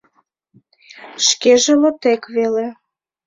Шкеже лотек веле.